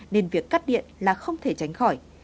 nên việc cắt điện là không thể tránh khỏi